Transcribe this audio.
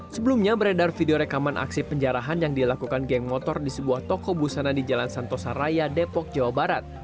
sebelumnya beredar video rekaman aksi penjarahan yang dilakukan geng motor di sebuah toko busana di jalan santosa raya depok jawa barat